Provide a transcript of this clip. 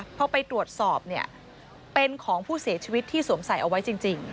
พอไปตรวจสอบเนี่ยเป็นของผู้เสียชีวิตที่สวมใส่เอาไว้จริง